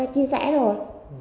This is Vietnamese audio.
chia sẻ rồi